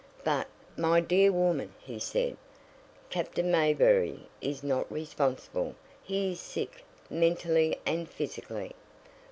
"But, my dear woman," he said, "Captain Mayberry is not responsible he is sick, mentally and physically."